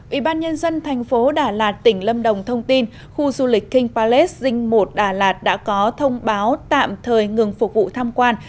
ủy ban nhân dân thành phố đà lạt tỉnh lâm đồng thông tin khu du lịch king palace dinh một đà lạt đã có thông báo tạm thời ngừng phục vụ tham quan